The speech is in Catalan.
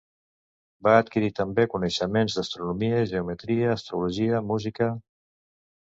Va adquirir també coneixements d'astronomia, geometria, astrologia, música.